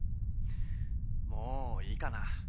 もういいかな。